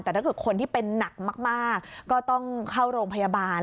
แต่ถ้าเกิดคนที่เป็นหนักมากก็ต้องเข้าโรงพยาบาล